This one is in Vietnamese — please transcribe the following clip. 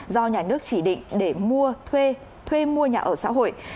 do nhà nước chỉ định để mua thuê thuê mua nhà ở xã hội